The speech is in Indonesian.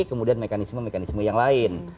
kemudian mekanisme mekanisme yang lain